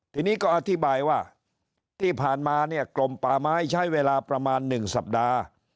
ทีนี้ก็อธิบายว่าที่ผ่านมาเนี่ยกลมป่าไม้ใช้เวลาประมาณ๑สัปดาห์